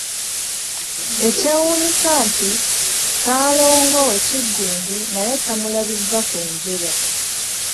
Ekyewuunyisa nti Ssaalongo we Kiggundu naye tamulabizza ku njuba